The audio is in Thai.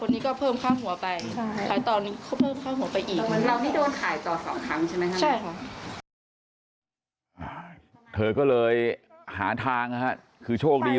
เราไม่โดนขายต่อสองครั้งใช่ไหมใช่เธอก็เลยหาทางคือโชคดี